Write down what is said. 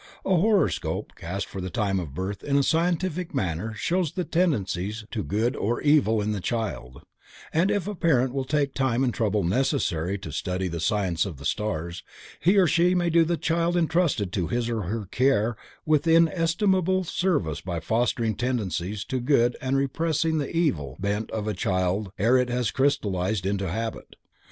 A horoscope cast for the time of birth in a scientific manner shows the tendencies to good or evil in the child, and if a parent will take time and trouble necessary to study the science of the stars, he or she may do the child intrusted to his or her care an inestimable service by fostering tendencies to good and repressing the evil bent of a child ere it has crystallized into habit.